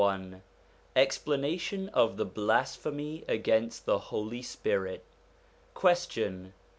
XXXI EXPLANATION OF THE BLASPHEMY AGAINST THE HOLY SPIRIT Question.